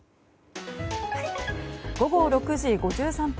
午後６時５３分。